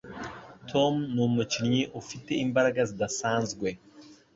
Tom numukinnyi ufite imbaraga zidasanzwe.